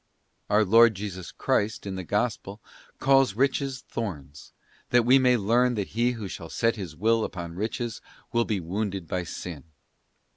Our Lord Jesus Christ, in the Gospel, calls riches thorns,f that we may learn that he who shall set his Will upon riches will be wounded by sin.